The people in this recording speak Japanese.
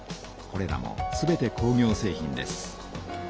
これらもすべて工業製品です。